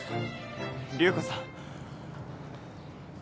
流子さん